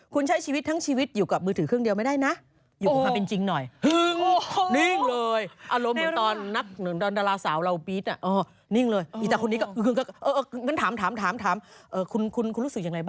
คุณใช้ชีวิตทั้งชีวิตอยู่กับมือถือเครื่องเดียวไม่ได้นะ